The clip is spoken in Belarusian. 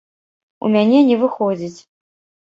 У мяне не выходзіць!